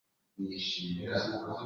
Eid El Adhuha